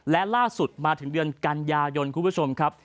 และล่าสุดมาถึงเดือนกันยายนคุณผู้ชมครับ